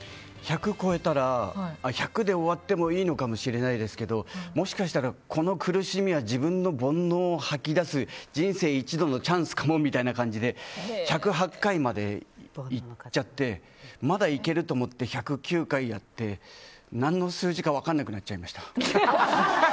１００超えたら１００で終わってもいいのかもしれないですけどもしかしたらこの苦しみは僕の煩悩を吐き出す、人生一度のチャンスかもみたいな感じで１０８回までいっちゃってまだいけると思って１０９回やって、何の数字か分からなくなっちゃいました。